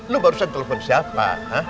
lu barusan telepon siapa